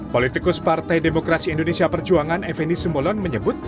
politikus partai demokrasi indonesia perjuangan efeni simolon menyebut